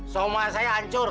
somai saya ancur